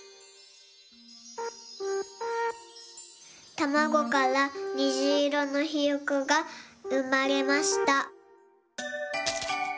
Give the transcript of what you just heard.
たまごからにじいろのひよこがうまれました。